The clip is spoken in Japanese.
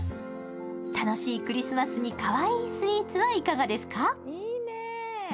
楽しいクリスマスにかわいいスイーツはいかがですか？